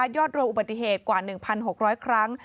อดรวมอุบัติเหตุกว่า๑๖๐๐ครั้ง